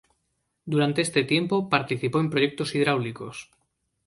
Durante este tiempo, participó en proyectos hidráulicos.